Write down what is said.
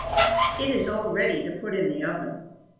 "It is all ready to put into the oven.